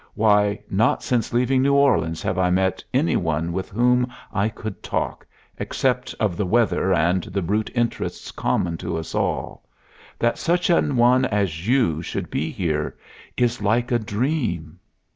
Why, not since leaving New Orleans have I met any one with whom I could talk, except of the weather and the brute interests common to us all. That such a one as you should be here is like a dream."